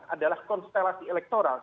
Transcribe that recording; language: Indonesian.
adalah konstelasi elektoral